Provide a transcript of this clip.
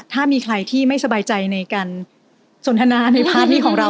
ถ้ามีใครที่ไม่สบายใจในการสนทนาในพาร์ทนี้ของเรา